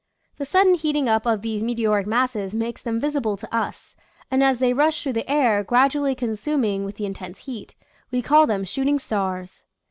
The sudden heating up of these meteoric masses makes them visible to us, and as they rush through the air, gradually consuming with the intense heat, we call them " shooting stars."